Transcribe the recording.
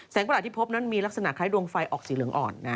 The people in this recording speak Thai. ประหลาดที่พบนั้นมีลักษณะคล้ายดวงไฟออกสีเหลืองอ่อน